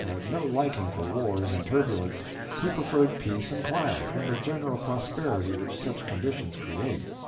had no liking for wars and turbulence; he preferred peace and quiet and the general prosperity which such conditions create.